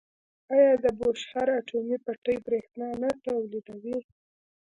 آیا د بوشهر اټومي بټۍ بریښنا نه تولیدوي؟